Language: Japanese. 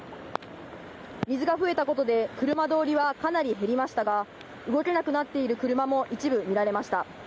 水が増えたことで車通りはかなり減りましたが、動けなくなっている車も一部見られました。